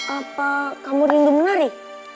apa kamu rindu menari